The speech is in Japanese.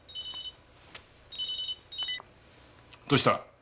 どうした？